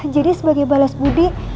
jadi sebagai balas budi